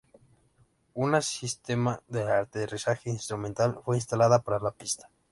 Una sistema de aterrizaje instrumental fue instalada para la pista.